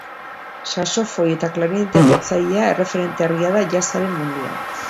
Saxofoi eta klarinete jotzailea erreferente argia da jazzaren munduan.